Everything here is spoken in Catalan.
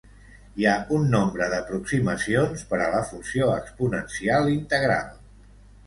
Hi ha un nombre d'aproximacions per a la funció exponencial integral.